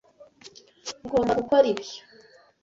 Ugomba gukora ibyo.